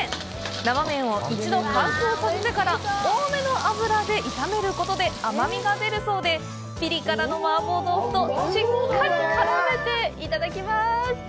生麺を一度乾燥させてから多めの油で炒めることで甘味が出るそうで、ピリ辛の麻婆豆腐としっかり絡めていただきます！